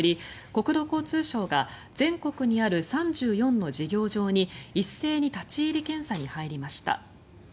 国土交通省が全国にある３４の事業場に一斉に立ち入り検査に入りました。